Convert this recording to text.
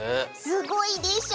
すごいでしょ？